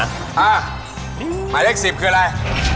หมายเลข๑๐คืออะไร